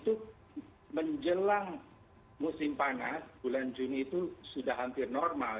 itu menjelang musim panas bulan juni itu sudah hampir normal